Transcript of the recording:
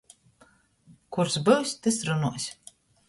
Kurs byus, tys runuos.